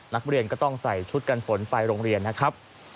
นักเรียนก็ต้องใส่ชุดกันฝนไปโรงเรียนนะครับ